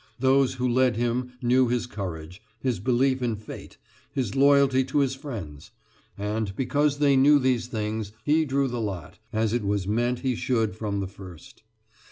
Those who led him knew his courage, his belief in Fate, his loyalty to his friends; and, because they knew these things, he drew the lot, as it was meant he should from the first.